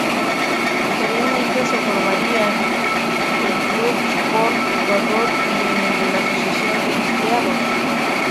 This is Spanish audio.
Posteriormente se formarían el Club Sport Ecuador y el de la Asociación de Empleados.